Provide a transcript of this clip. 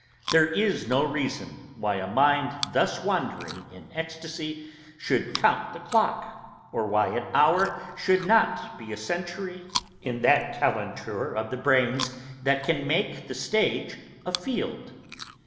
There is no reason why a mind thus wandering in extacy should count the clock, or why an hour should not be a century in that calenture of the brains that can make the stage a field.